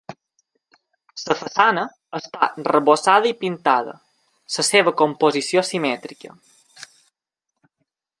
La façana està arrebossada i pintada, la seva composició simètrica.